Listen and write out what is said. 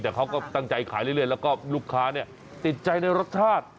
แต่เขาก็ตั้งใจขายเรื่อยแล้วก็ลูกค้าติดใจในรสชาติ